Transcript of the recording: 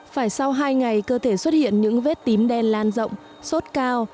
phải sau hai ngày cơ thể xuất hiện những vết tím đen lan rộng sốt cao